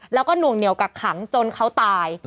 แล้วก็หน่วงเหนียวกักขังจนเขาตาย